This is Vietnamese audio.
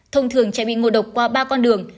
thông thường trẻ bị ngộ độc qua ba con đường